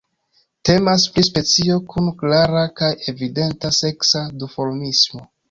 Temas pri specio kun klara kaj evidenta seksa duformismo.